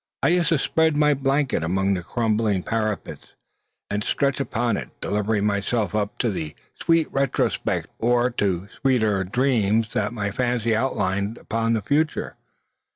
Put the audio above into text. I used to spread my blanket among the crumbling parapets, and stretched upon it, deliver myself up to the sweet retrospect, or to still sweeter dreams that my fancy outlined upon the future.